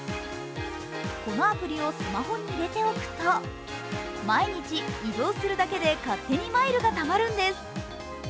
このアプリをスマホに入れておくと、毎日、移動するだけで勝手にマイルがたまるんです。